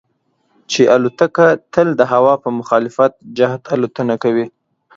چې الوتکه تل د هوا په مخالف جهت الوتنه کوي.